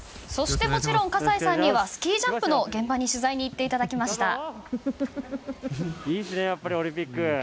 そしてもちろん葛西さんにはスキージャンプの現場に取材に行っていただきました。